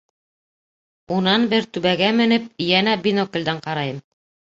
Унан бер түбәгә менеп йәнә биноклдән ҡарайым.